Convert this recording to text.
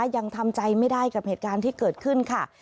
ยังทำใจไม่ได้กับเหตุการณ์ที่เกิดขึ้นค่ะ